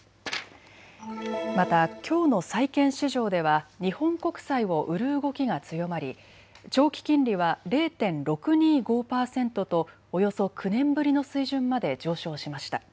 また、きょうの債券市場では日本国債を売る動きが強まり長期金利は０．６２５％とおよそ９年ぶりの水準まで上昇しました。